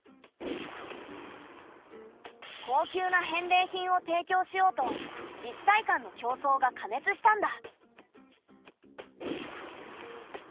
高級な返礼品を提供しようと自治体間の競争が過熱したんだ。